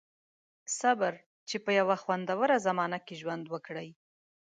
• صبر، چې په یوه خوندوره زمانه کې ژوند وکړئ.